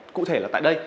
cụ thể là tại đây